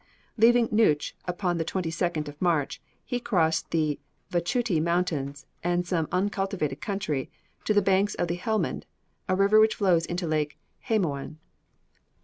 Leaving Noutch upon the 22nd of March, he crossed the Vachouty mountains and some uncultivated country, to the banks of the Helmend, a river which flows into Lake Hamoun.